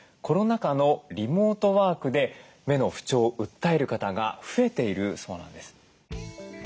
コロナ禍のリモートワークで目の不調を訴える方が増えているそうなんです。